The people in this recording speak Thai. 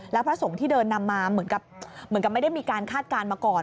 แล้วพระสงฆ์ที่เดินนำมาเหมือนกับไม่ได้มีการคาดการณ์มาก่อน